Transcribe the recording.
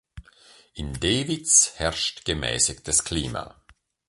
In Dewitz herrscht gemäßigtes Klima.